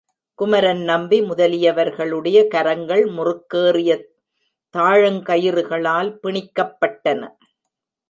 குமரன் நம்பி முதலியவர்களுடைய கரங்கள் முறுக்கேறிய தாழங்கயிறுகளால் பிணிக்கப்பட்டன.